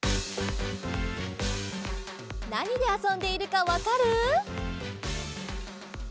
なにであそんでいるかわかる？